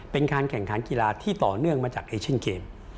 เป็นการแข่งขันกีฬาที่ต่อเนื่องมาจากเอเชียนเกม